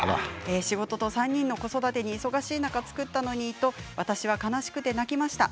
仕事と３人の子育てに忙しい中作ったのに私は悲しく泣きました。